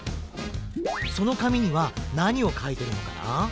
そのかみにはなにをかいてるのかな？